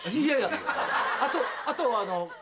あとあとは。